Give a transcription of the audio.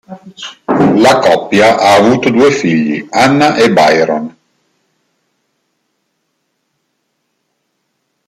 La coppia ha avuto due figli, Anna e Byron.